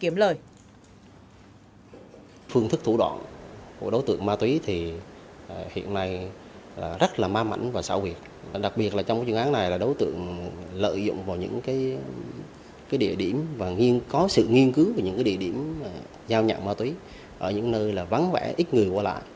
mục đích kiếm lời